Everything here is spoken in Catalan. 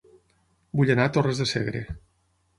Vull anar a Torres de Segre